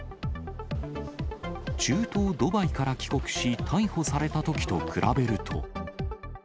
中東ドバイから帰国し、逮捕されたときと比べると。